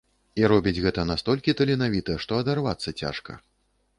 І робіць гэта настолькі таленавіта, што адарвацца цяжка.